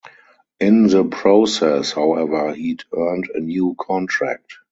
In the process however he'd earned a new contract.